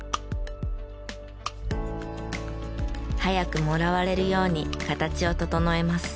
早くもらわれるように形を整えます。